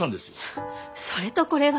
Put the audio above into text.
それとこれは。